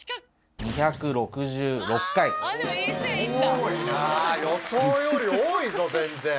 多いな予想より多いぞ全然。